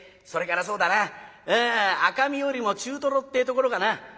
それからそうだな赤身よりも中トロってえところかな。